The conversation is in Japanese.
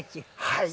はい。